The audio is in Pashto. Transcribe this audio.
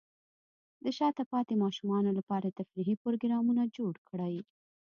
د شاته پاتې ماشومانو لپاره تفریحي پروګرامونه جوړ کړئ.